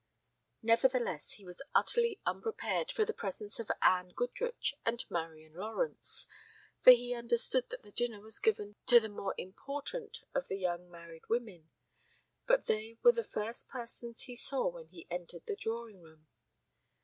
Nevertheless, he was utterly unprepared for the presence of Anne Goodrich and Marian Lawrence, for he understood that the dinner was given to the more important of the young married women. But they were the first persons he saw when he entered the drawing room.